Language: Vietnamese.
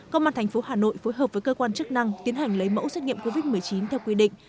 công an tp hà nội phối hợp với cơ quan chức năng tiến hành lấy mẫu xét nghiệm covid một mươi chín theo quy định